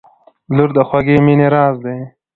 • لور د خوږې مینې راز دی.